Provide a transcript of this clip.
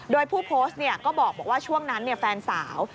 โดยผู้โพสต์ก็บอกว่าช่วงนั้นแฟนสาว